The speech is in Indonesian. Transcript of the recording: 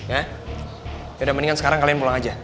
yaudah mendingan sekarang kalian pulang aja